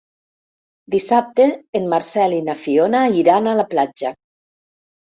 Dissabte en Marcel i na Fiona iran a la platja.